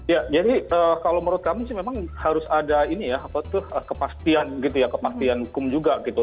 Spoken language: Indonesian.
ya jadi kalau menurut kami sih memang harus ada ini ya apa tuh kepastian gitu ya kepastian hukum juga gitu